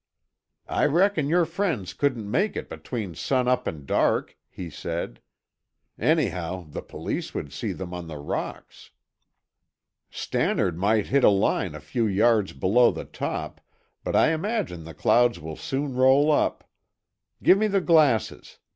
"I reckon your friends couldn't make it between sun up and dark," he said. "Anyhow, the police would see them on the rocks." "Stannard might hit a line a few yards below the top, but I imagine the clouds will soon roll up. Give me the glasses.